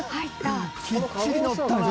きっちり載ったな。